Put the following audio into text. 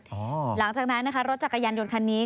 หลังจากนั้นนะคะรถจักรยานยนต์คันนี้